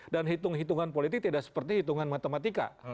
dan hitung hitungan politik tidak seperti hitungan matematika